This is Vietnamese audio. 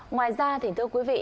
ngoài ra thì thưa quý vị